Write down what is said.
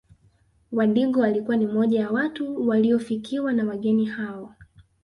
Wadigo walikuwa ni moja ya watu waliofikiwa na wageni hao